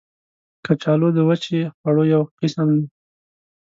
کچالو د وچې خواړو یو قسم دی